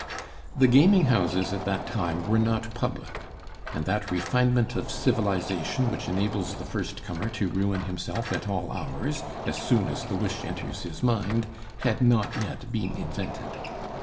The gaming houses at that time were not public, and that refinement of civilization which enables the first comer to ruin himself at all hours, as soon as the wish enters his mind, had not yet been invented.